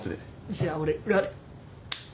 じゃあ俺裏で。